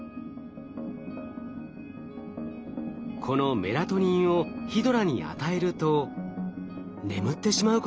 このメラトニンをヒドラに与えると眠ってしまうことが分かりました。